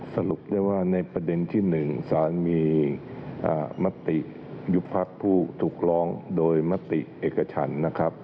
สรุปได้ว่าในประเด็นที่๑สารมีมติยุบพักผู้ถูกร้องโดยมติเอกชันนะครับ